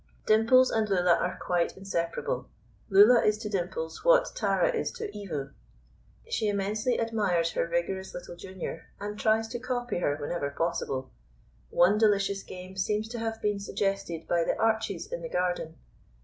Dimples and Lulla are quite inseparable. Lulla is to Dimples what Tara is to Evu. She immensely admires her vigorous little junior, and tries to copy her whenever possible. One delicious game seems to have been suggested by the arches in the garden.